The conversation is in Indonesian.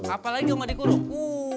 apalagi gak dikurung